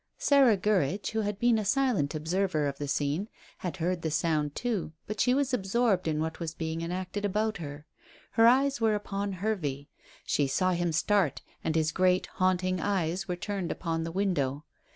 Sarah Gurridge, who had been a silent observer of the scene, had heard the sound too, but she was absorbed in what was being enacted about her. Her eyes were upon Hervey. She saw him start, and his great haunting eyes were turned upon the window.